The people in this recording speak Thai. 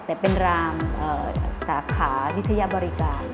แต่เป็นรามสาขาวิทยาบริการ